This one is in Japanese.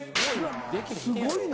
すごいな。